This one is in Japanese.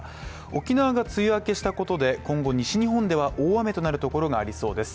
沖縄が梅雨明けしたことで、今後西日本では大雨となるところがありそうです。